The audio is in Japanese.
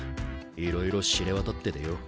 いろいろ知れ渡っててよ